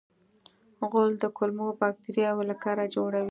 غول د کولمو باکتریاوو له کاره جوړېږي.